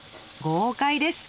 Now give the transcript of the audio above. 豪快です。